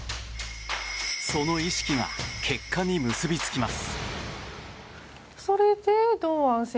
その意識が結果に結びつきます。